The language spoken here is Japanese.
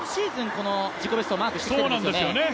この自己ベストをマークしてるんですよね。